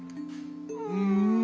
うん。